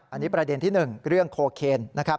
อันนี้ประเด็นที่๑เรื่องโคเคนนะครับ